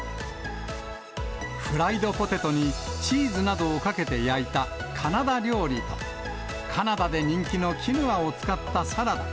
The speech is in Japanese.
フライドポテトにチーズなどをかけて焼いたカナダ料理と、カナダで人気のキヌアを使ったサラダ。